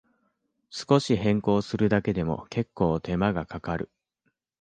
少し変更するだけでも、けっこう手間がかかる